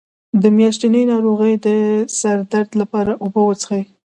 د میاشتنۍ ناروغۍ د سر درد لپاره اوبه وڅښئ